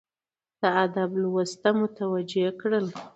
د ادب لوست ته متوجه کړل،